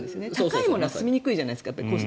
高いものは進めにくいじゃないですか。